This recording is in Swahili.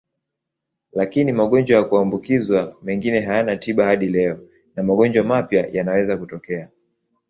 Lakini magonjwa ya kuambukizwa mengine hayana tiba hadi leo na magonjwa mapya yanaweza kutokea.